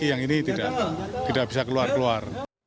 yang ini tidak bisa keluar keluar